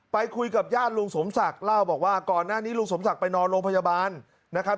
ไปคุยกับญาติลุงสมศักดิ์เล่าบอกว่าก่อนหน้านี้ลุงสมศักดิ์ไปนอนโรงพยาบาลนะครับ